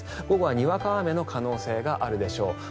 午後は、にわか雨の可能性があるでしょう。